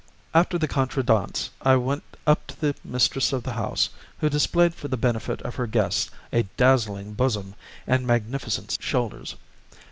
After the contredanse I went up to the mistress of the house, who displayed for the benefit of her guests a dazzling bosom and magnificent shoulders.